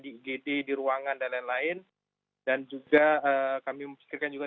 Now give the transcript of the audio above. di igd di ruangan dan lain lain dan juga kami memikirkan juga